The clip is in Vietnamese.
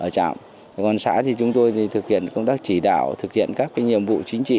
còn xã thì chúng tôi thực hiện công tác chỉ đạo thực hiện các nhiệm vụ chính trị